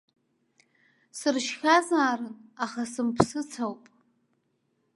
Сыршьхьазаарын, аха сымԥсыц ауп.